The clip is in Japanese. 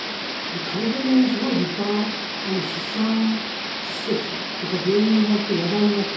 カリフォルニアにすごい立派な出産施設とか病院が生まれて話題になった。